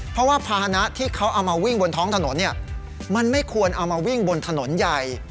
เพราะว่าภาษณะที่เขาเอามาวิ่งบนท้องถนนเนี่ยมันไม่ควรเอามาวิ่งบนถนนใหญ่